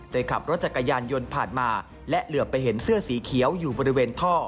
ขับรถจักรยานยนต์ผ่านมาและเหลือไปเห็นเสื้อสีเขียวอยู่บริเวณท่อ